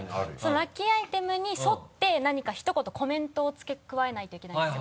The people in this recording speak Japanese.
ラッキーアイテムにそって何かひと言コメントを付け加えないといけないんですよ